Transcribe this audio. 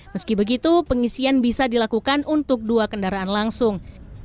meski begitu pengisian bisa dilakukan untuk dua kendaraan langsung